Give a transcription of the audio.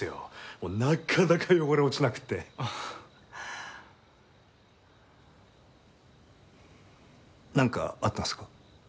もうなかなか汚れ落ちなくって何かあったんすか？